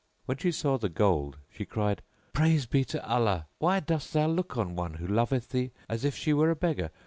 "[FN#671] When she saw the gold she cried, "Praise be to Allah! why dost thou look on one who loveth thee as if she were a beggar?